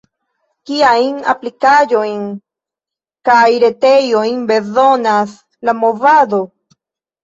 Kiajn aplikaĵojn kaj retejojn bezonas la movado?